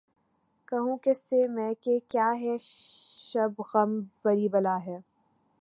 کہوں کس سے میں کہ کیا ہے شب غم بری بلا ہے